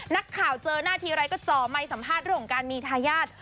นักข่าวเจอหน้าทีไรก็จ่อไมค์สัมภาษณ์เรื่องของการมีทายาท